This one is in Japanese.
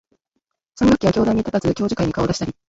三学期は教壇に立たず、教授会に顔を出したり、